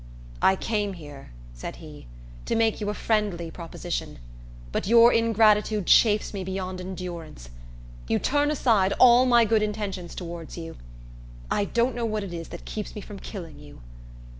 "I came here," said he, "to make you a friendly proposition; but your ingratitude chafes me beyond endurance. You turn aside all my good intentions towards you. I don't know what it is that keeps me from killing you."